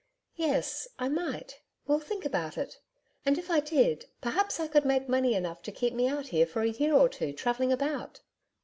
'Yes, I might. We'll think about it. And if I did perhaps I could make money enough to keep me out here for a year or two travelling about.'